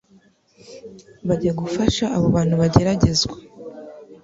bajya gufasha abo bantu bageragezwa